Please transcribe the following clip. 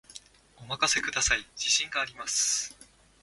お任せください、自信があります